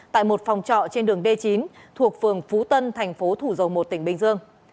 tại một phòng trọ trên đường d chín thuộc phường phú tân thành phố thủ dầu một tỉnh bình dương